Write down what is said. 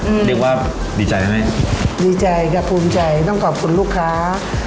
อืมเรียกว่าดีใจไหมดีใจกับภูมิใจต้องขอบคุณลูกค้า